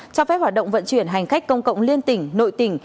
cho phép hoạt động vận chuyển hành khách công cộng liên tỉnh nội tỉnh